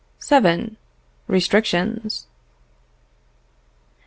VII. Restrictions.